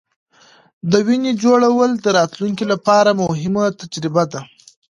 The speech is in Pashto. د وینې جوړول د راتلونکې لپاره مهمه تجربه ده.